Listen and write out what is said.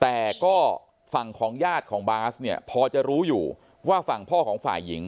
แต่ก็ฝั่งของญาติของบาสเนี่ยพอจะรู้อยู่ว่าฝั่งพ่อของฝ่ายหญิง